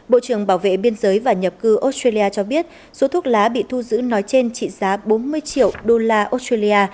bộ trưởng bảo vệ biên giới và nhập cư australia cho biết số thuốc lá bị thu giữ nói trên trị giá bốn mươi triệu đô la australia